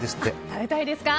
食べたいですか？